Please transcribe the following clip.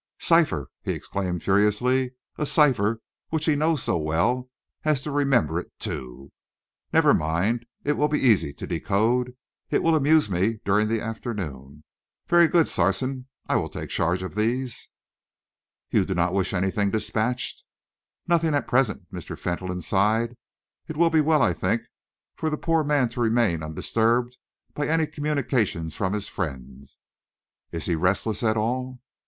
"Cipher!" he exclaimed furiously. "A cipher which he knows so well as to remember it, too! Never mind, it will be easy to decode. It will amuse me during the afternoon. Very good, Sarson. I will take charge of these." "You do not wish anything dispatched?" "Nothing at present," Mr. Fentolin sighed. "It will be well, I think, for the poor man to remain undisturbed by any communications from his friends. Is he restless at all?"